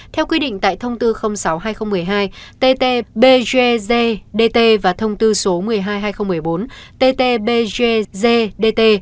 theo quy định tại thông tư sáu hai nghìn một mươi hai ttbgzdt và thông tư số một mươi hai hai nghìn một mươi bốn ttbgzdt